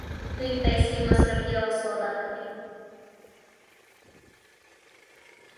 دوی پیسې مصرفوي او سودا کوي.